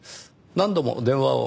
何度も電話を。